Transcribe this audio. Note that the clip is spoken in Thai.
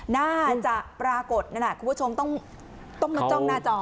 น่าจะปรากฏคุณผู้ชมต้องมาจ้องหน้าจอ